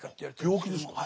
病気ですか。